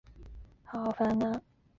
川黔石栎